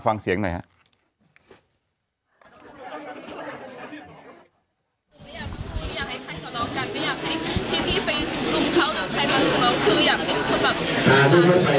ฟังเสียงหน่อยครับ